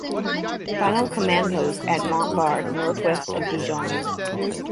Final command post at Montbard northwest of Dijon.